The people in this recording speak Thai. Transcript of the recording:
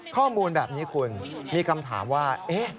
ข้อมูลแบบนี้คุณมีคำถามว่า